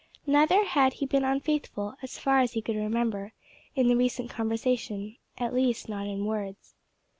Neither had he been unfaithful, as far as he could remember, in the recent conversation at least not in words.